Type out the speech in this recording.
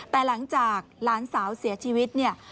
แต่หลังจากหลานสาวเสียชีวิตเนี่ย